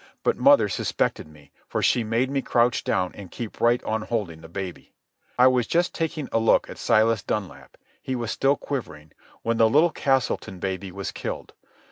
But mother suspected me, for she made me crouch down and keep right on holding the baby. I was just taking a look at Silas Dunlap—he was still quivering—when the little Castleton baby was killed.